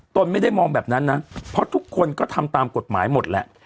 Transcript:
ตนไม่ได้มองแบบนั้นนะเพราะทุกคนก็ทำตามกฎหมายหมดแหละ